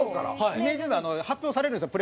イメージ図は発表されるんですよ